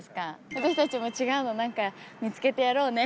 私たちも違うのなんか見つけてやろうね。